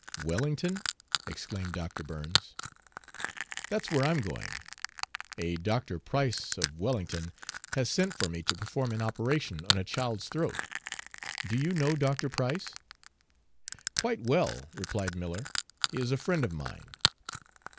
"Wellington?" exclaimed Dr. Burns. "That's where I'm going. A Dr. Price, of Wellington, has sent for me to perform an operation on a child's throat. Do you know Dr. Price?" "Quite well," replied Miller, "he is a friend of mine."